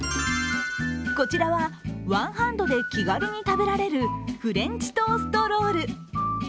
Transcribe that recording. こちらは、ワンハンドで気軽に食べられるフレンチトーストロール。